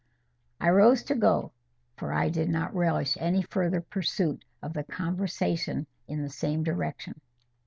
I rose to go, for I did not relish any further pursuit of the conversation in the same direction.